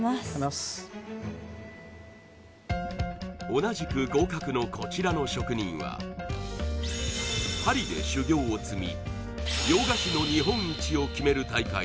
同じく合格のこちらの職人はを積み洋菓子の日本一を決める大会